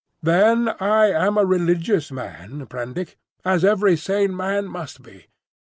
"Then I am a religious man, Prendick, as every sane man must be.